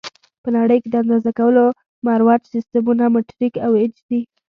په نړۍ کې د اندازه کولو مروج سیسټمونه مټریک او ایچ دي.